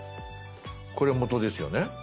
これ元ですよね。